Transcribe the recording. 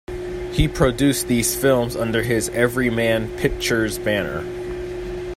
He produced these films under his Everyman Pictures banner.